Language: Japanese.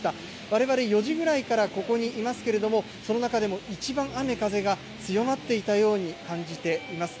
われわれ、４時ぐらいからここにいますけれども、その中でも一番雨、風が強まっていたように感じています。